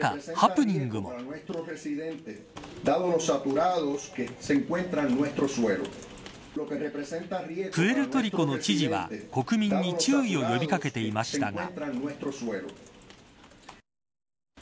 プエルトリコの知事が国民に注意を呼び掛けていましたが。